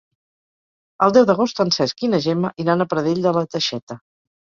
El deu d'agost en Cesc i na Gemma iran a Pradell de la Teixeta.